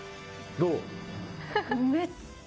どう？